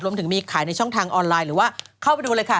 รวมถึงมีขายในช่องทางออนไลน์หรือว่าเข้าไปดูเลยค่ะ